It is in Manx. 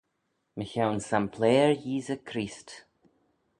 Mychione sampleyr Yeesey Creest.